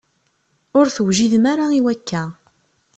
Ur tewjidem ara i wakka.